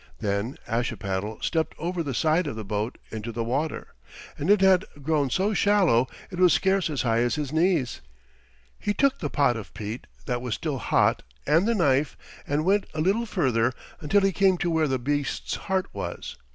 Then Ashipattle stepped over the side of the boat into the water, and it had grown so shallow it was scarce as high as his knees. He took the pot of peat, that was still hot, and the knife, and went a little further until he came to where the beast's heart was.